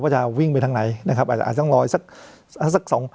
จะวิ่งไปทางไหนนะครับอาจจะต้องรออีกสักสอง